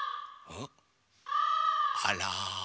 あら。